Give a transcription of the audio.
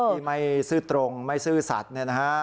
ที่ไม่ซื่อตรงไม่ซื่อสัตว์เนี่ยนะฮะ